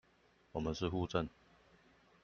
我們是戶政